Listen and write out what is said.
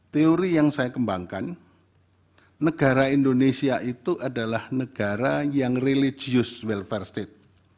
teori yang saya kembangkan negara indonesia itu adalah negara yang religius welfare state